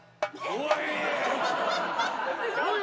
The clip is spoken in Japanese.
おい。